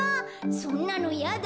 そんなのやだよ。